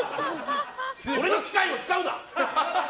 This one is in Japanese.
俺の機械を使うな！